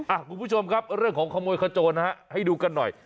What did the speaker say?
คุณผู้ชมครับเรื่องของขโมยขโจรนะฮะให้ดูกันหน่อย